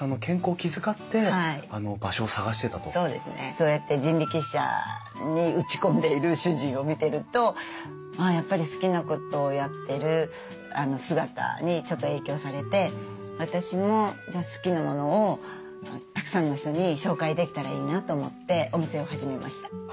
そうやって人力車に打ち込んでいる主人を見てるとまあやっぱり好きなことをやってる姿にちょっと影響されて私もじゃあ好きなものをたくさんの人に紹介できたらいいなと思ってお店を始めました。